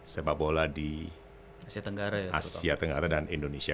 sepak bola di asia tenggara dan indonesia